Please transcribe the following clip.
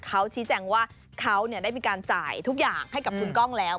เขาชี้แจงว่าเขาได้มีการจ่ายทุกอย่างให้กับคุณกล้องแล้ว